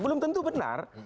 belum tentu benar